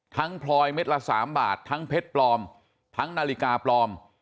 พลอยเม็ดละ๓บาททั้งเพชรปลอมทั้งนาฬิกาปลอม